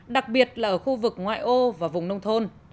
đặc biệt là ở khu vực ngoại ô và vùng nông thôn